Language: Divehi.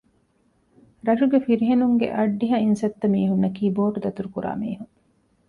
ރަށުގެ ފިރިހެނުންގެ އައްޑިހަ އިން ސައްތަ މީހުންނަކީ ބޯޓްދަތުރުކުރާ މީހުން